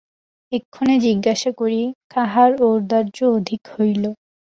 এক্ষণে জিজ্ঞাসা করি কাহার ঔদার্য অধিক হইল।